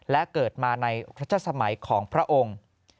และเกิดมาในรัชสมัยของพระองค์